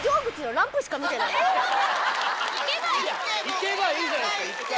行けばいいじゃないですか１回。